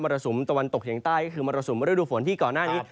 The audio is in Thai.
รสุมตะวันตกเฉียงใต้ก็คือมรสุมฤดูฝนที่ก่อนหน้านี้